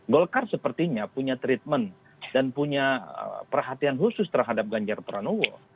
golkar sepertinya punya treatment dan punya perhatian khusus terhadap ganjar pranowo